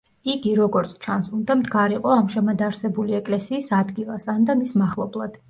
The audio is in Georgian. იგი, როგორც ჩანს, უნდა მდგარიყო ამჟამად არსებული ეკლესიის ადგილას, ანდა მის მახლობლად.